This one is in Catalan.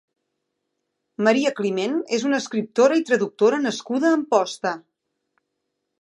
Maria Climent és una escriptora i traductora nascuda a Amposta.